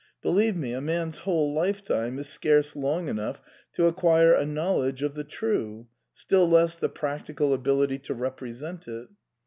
Believe me, a man's whole lifetime is scarce long enough to acquire a knowledge of the True — still less the practical ability to represent it."